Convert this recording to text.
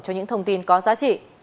cho những thông tin có giá trị